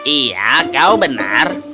iya kau benar